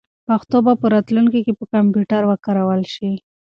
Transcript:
پښتو به په راتلونکي کې په کمپیوټر کې وکارول شي.